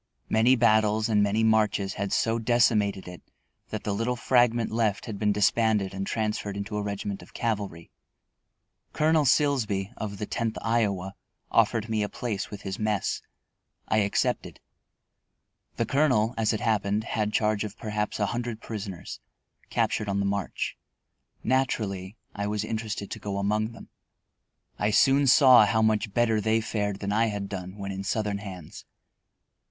Many battles and many marches had so decimated it that the little fragment left had been disbanded and transferred into a regiment of cavalry. Colonel Silsby, of the Tenth Iowa, offered me a place with his mess. I accepted. The Colonel, as it happened, had charge of perhaps a hundred prisoners, captured on the march. Naturally, I was interested to go among them. I soon saw how much better they fared than I had done when in Southern hands.